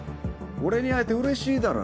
俺に会えて嬉しいだろ？